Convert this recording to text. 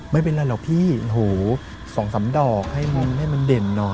ไม่เป็นไรหรอกพี่สองสามดอกให้มันเด่นน่อย